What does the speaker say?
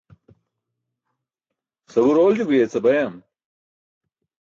sabuur oolji guyeca bayam